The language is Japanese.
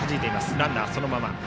ランナーそのまま。